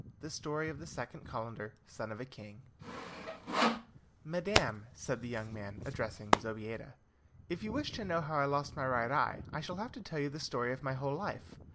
The Story of the Second Calendar, Son of a King "Madam," said the young man, addressing Zobeida, "if you wish to know how I lost my right eye, I shall have to tell you the story of my whole life."